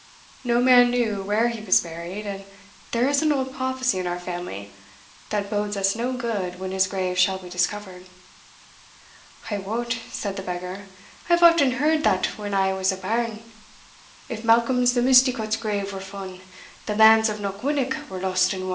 No man knew where he was buried, and there is an old prophecy in our family, that bodes us no good when his grave shall be discovered." "I wot," said the beggar, "I have often heard that when I was a bairn If Malcolm the Misticot's grave were fun', The lands of Knockwinnock were lost and won."